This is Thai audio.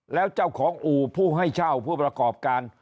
แล้วเจ้าของอู่ผู้ให้เช่าผู้ประกอบการ